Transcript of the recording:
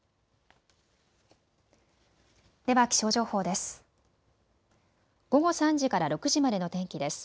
では、気象情報です。